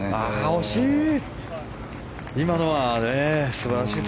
惜しい。